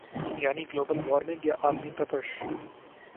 یعنی global warming یا عالمی تپش